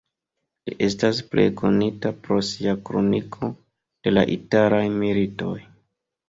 Li estas plej konita pro sia kroniko de la italaj militoj.